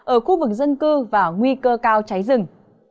ở khu vực dân cư và nguy cơ cao cháy rừng